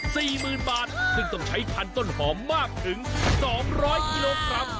ซึ่งต้องใช้พันต้นหอมมากถึง๒๐๐กิโลกรัม